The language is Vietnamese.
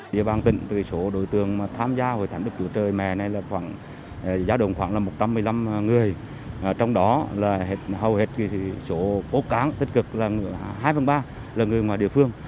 điều bàn tình từ số đối tượng tham gia hội thánh đức chúa trời mẹ này là giá đồng khoảng một trăm một mươi năm người trong đó hầu hết số cố cán tích cực là hai phần ba là người ngoài địa phương